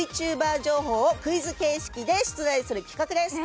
情報をクイズ形式で出題する企画です。